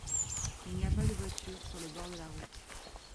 Il n’y a pas de voiture sur le bord de la route.